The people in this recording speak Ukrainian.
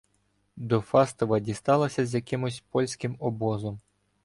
До Фастова дісталася з якимось польським обозом.